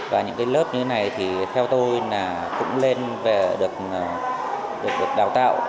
và những cái lớp như thế này thì theo tôi là cũng lên về được đào tạo